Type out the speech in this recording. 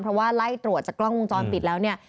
เพราะว่าไล่ตรวจจากกล้องวงจรปิดแล้วเนี่ย